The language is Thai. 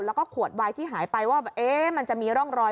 แล้วก็ขวดวายที่หายไปว่ามันจะมีร่องรอย